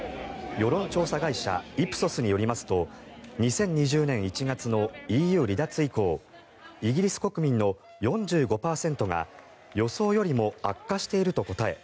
世論調査会社イプソスによりますと２０２０年１月のＥＵ離脱以降イギリス国民の４５％が予想よりも悪化していると答え